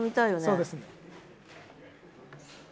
そうですね。